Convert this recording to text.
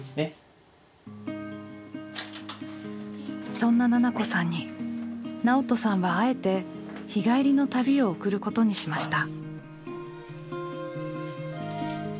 そんな奈々子さんに直人さんはあえて日帰りの旅を贈ることにしました。